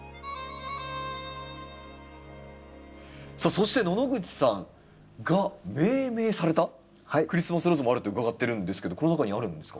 さあそして野々口さんが命名されたクリスマスローズもあるって伺ってるんですけどこの中にあるんですか？